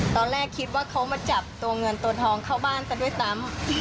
ตอนแรกคิดว่าเขามาจับตัวเงินตัวทองเข้าบ้านซะด้วยซ้ำ